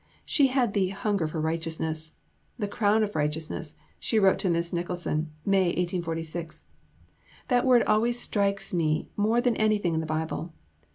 She had the Hunger for Righteousness. "The crown of righteousness!" she wrote to Miss Nicholson (May 1846). "That word always strikes me more than anything in the Bible.